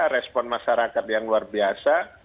respon masyarakat yang luar biasa